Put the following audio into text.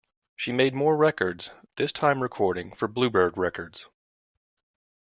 She made more records, this time recording for Bluebird Records.